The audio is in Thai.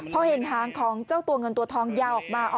พอเห็นหางของเจ้าตัวเงินตัวทองยาวออกมา